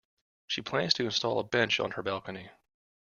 She plans to install a bench on her balcony.